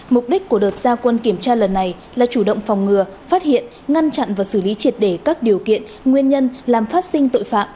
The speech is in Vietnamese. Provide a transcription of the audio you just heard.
mục đích của đợt gia quân kiểm tra lần này là chủ động phòng ngừa phát hiện ngăn chặn và xử lý triệt để các điều kiện nguyên nhân làm phát sinh tội phạm